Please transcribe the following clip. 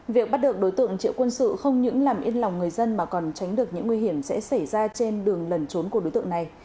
việc bắt được đối tượng triệu quân sự không những làm yên lòng người dân mà còn tránh được những nguy hiểm sẽ xảy ra trên đường lần trốn của đối tượng này